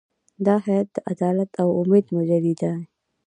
دا هیئت د عدالت او امید مجلې دی.